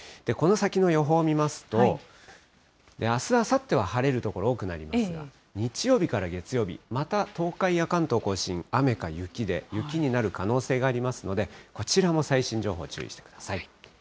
この先の予報を見ますと、あす、あさっては晴れる所、多くなりますが、日曜日から月曜日、また東海や関東甲信、雨か雪で、雪になる可能性がありますので、こちらも最新情報、注意してください。